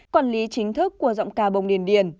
quản lý chính thức của giọng ca bông điền